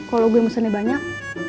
kalo gue mesennya banyak